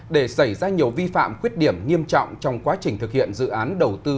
để xảy ra nhiều vi phạm khuyết điểm nghiêm trọng trong quá trình thực hiện dự án đầu tư